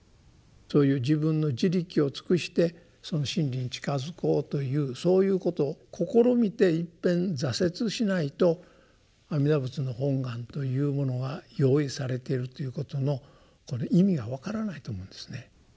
そういう自分の「自力」を尽くしてその「真理」に近づこうというそういうことを試みていっぺん挫折しないと阿弥陀仏の本願というものが用意されてるということのこの意味が分からないと思うんですね。